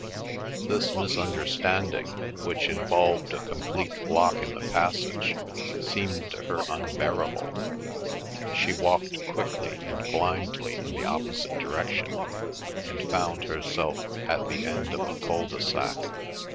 This misunderstanding, which involved a complete block in the passage, seemed to her unbearable. She walked quickly and blindly in the opposite direction, and found herself at the end of a cul de sac.